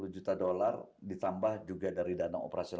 delapan puluh juta dolar ditambah juga dari dana operasional